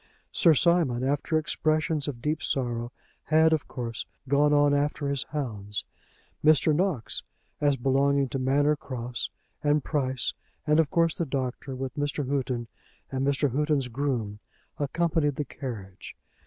Sir Simon, after expressions of deep sorrow had, of course, gone on after his hounds. Mr. Knox, as belonging to Manor Cross, and Price, and, of course, the doctor, with Mr. Houghton and Mr. Houghton's groom, accompanied the carriage.